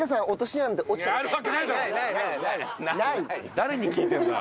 誰に聞いてんだ。